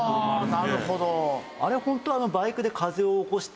なるほど。